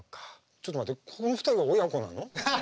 ちょっと待ってこの２人が親子なの？